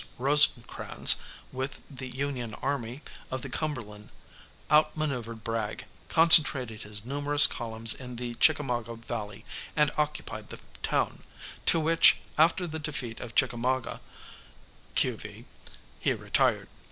Rosecrans, with the Union Army of the Cumberland out manoeuvred Bragg, concentrated his numerous columns in the Chickamauga Valley, and occupied the town, to which, after the defeat of Chickamauga (q.v.), he retired.